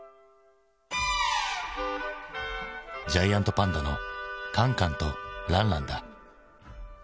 ジャイアントパンダのカンカンとランランだ。